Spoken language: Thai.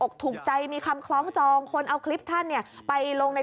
ถูกใจมีคำคล้องจองคนเอาคลิปท่านเนี่ยไปลงใน